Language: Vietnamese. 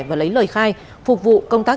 và lấy lời khai phục vụ công tác